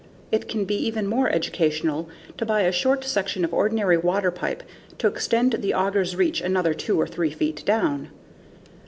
It can be even more educational to buy a short section of ordinary water pipe to extend the auger's reach another 2 or 3 feet down.